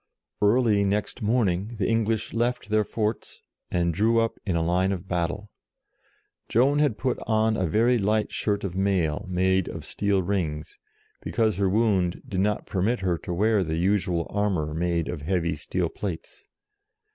Early next morning the English left their forts, and drew up in line of battle. Joan had put on a very light shirt of mail, made of steel rings, because her wound did not permit her to wear the usual armour made of heavy steel plates.